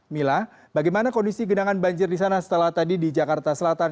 mila bagaimana kondisi genangan banjir di sana setelah tadi di jakarta selatan